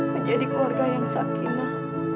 menjadi keluarga yang sakinah